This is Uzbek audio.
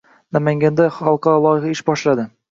Namanganda xalqaro loyiha ish boshlading